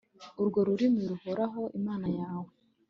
urwo rurimi ruhoraho, imana yawe